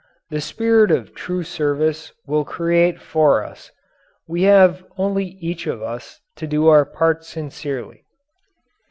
The spirit of true service will create for us. We have only each of us to do our parts sincerely.